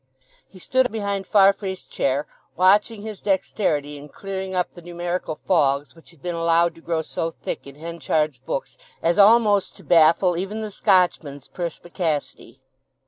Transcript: He stood behind Farfrae's chair, watching his dexterity in clearing up the numerical fogs which had been allowed to grow so thick in Henchard's books as almost to baffle even the Scotchman's perspicacity.